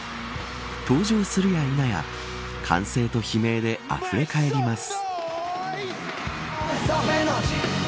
登場するやいなや歓声と悲鳴であふれ返ります。